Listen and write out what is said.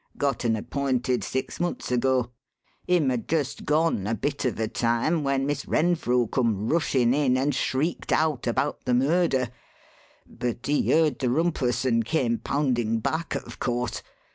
Got un appointed six months ago. Him had just gone a bit of a time when Miss Renfrew come rushin' in and shrieked out about the murder; but he heard the rumpus and came poundin' back, of course.